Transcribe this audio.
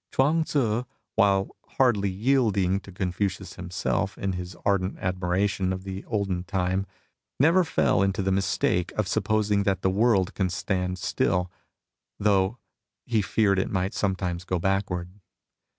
Chuang Tzu, while hardly yielding t)6 Confucius himself in his ardent admiration of the olden time, never fell into the mistake of supposing that the world can stand still, though he feared it might sometimes go backward.